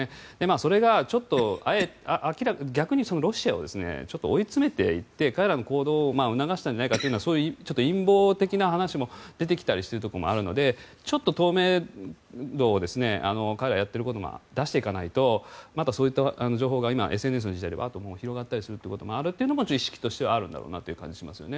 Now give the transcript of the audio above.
それがちょっと逆にロシアを追い詰めていって彼らの行動を促したんじゃないかというそういう陰謀的な話も出てきたりしているところもあるのでちょっと透明度を彼らがやっていることを出していかないとまた、そういった情報が今、ＳＮＳの時代でワーッと広がったりすることもあるというのは意識としてあるのかなという気もしますよね。